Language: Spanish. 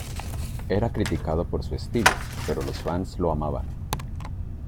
Era criticado por su estilo, pero los fans lo amaban.